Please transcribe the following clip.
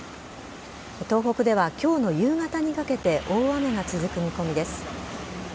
東北では今日の夕方にかけて大雨が続く見込みです。